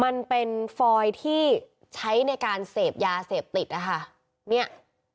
มันเป็นฟอยที่ใช้ในการเสพยาเสพติดนะคะเนี่ย